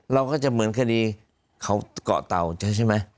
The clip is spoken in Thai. เราก็จะเหมือนคดีเขาเกาะเตาใช่ไหม